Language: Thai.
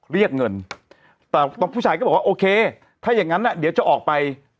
เรียกเงินแต่ผู้ชายก็บอกว่าโอเคถ้าอย่างนั้นเดี๋ยวจะออกไป